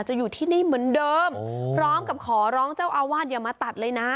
อยู่ที่นี่เหมือนเดิมพร้อมกับขอร้องเจ้าอาวาสอย่ามาตัดเลยนะ